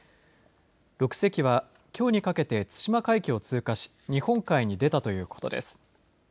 ６隻は、きょうにかけて対馬海峡を通過し日本海に出たということです。